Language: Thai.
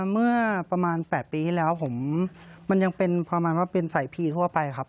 เมื่อประมาณ๘ปีที่แล้วผมมันยังเป็นประมาณว่าเป็นสายพีทั่วไปครับ